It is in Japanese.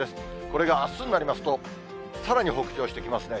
これがあすになりますと、さらに北上してきますね。